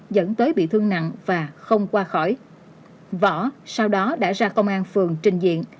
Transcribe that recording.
dẫn tới bị thương nặng và không qua khỏi võ sau đó đã ra công an phường trình diện